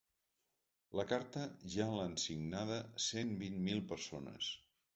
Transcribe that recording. La carta ja l’han signada cent vint mil persones.